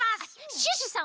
シュッシュさん